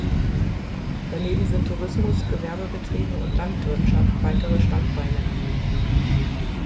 Daneben sind Tourismus, Gewerbebetriebe und Landwirtschaft weitere Standbeine.